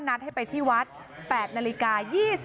นัดให้ไปที่วัด๘นาฬิกา